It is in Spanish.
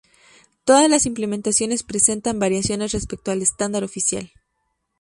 Todas las implementaciones presentan variaciones respecto al estándar oficial.